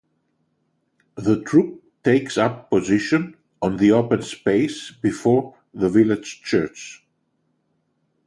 The troop takes up position on the open space before the village church.